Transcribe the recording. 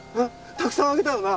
たくさんあげたよな？